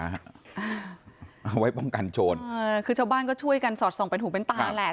เอาไว้ป้องกันโจรเออคือชาวบ้านก็ช่วยกันสอดส่องเป็นหูเป็นตาแหละ